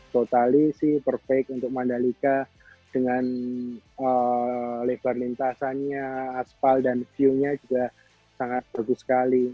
totali sih perfect untuk mandalika dengan lebar lintasannya aspal dan view nya juga sangat bagus sekali